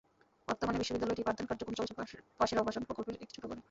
বর্তমানে বিদ্যালয়টির পাঠদান কার্যক্রম চলছে পাশের আবাসন প্রকল্পের একটি ছোট ঘরে।